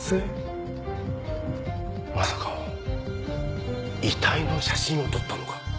まさか遺体の写真を撮ったのか？